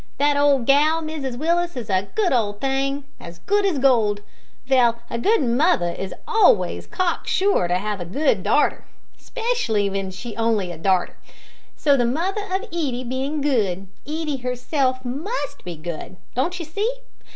That old gal, Mrs Willis, is a good old thing as good as gold. Vell, a good mother is always cocksure to 'ave a good darter specially ven she's a only darter so the mother o' Edie bein' good, Edie herself must be good, don't you see?